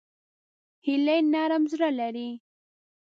هیلۍ نرم زړه لري